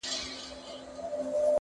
o اوبه په اوبو گډېږي.